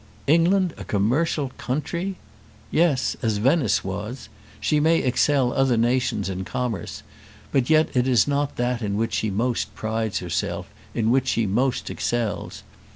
England a commercial country! Yes; as Venice was. She may excel other nations in commerce, but yet it is not that in which she most prides herself, in which she most excels.